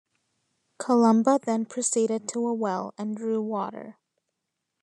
Columba then proceeded to a well and drew water.